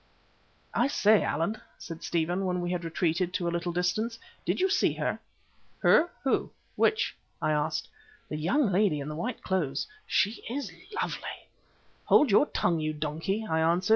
"I say, Allan," said Stephen, when we had retreated to a little distance, "did you see her?" "Her? Who? Which?" I asked. "The young lady in the white clothes. She is lovely." "Hold your tongue, you donkey!" I answered.